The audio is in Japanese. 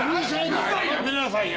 やめなさいよ。